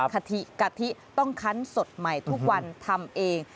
กะทิกะทิต้องคั้นสดใหม่ทุกวันทำเอง